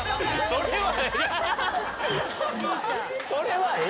それは。